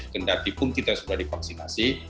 kendartipun kita sudah divaksinasi